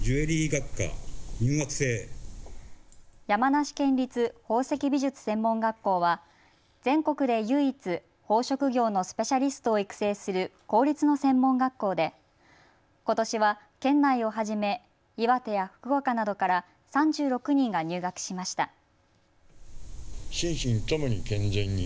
山梨県立宝石美術専門学校は全国で唯一、宝飾業のスペシャリストを育成する公立の専門学校でことしは県内をはじめ岩手や福岡などから３６人が入学しました。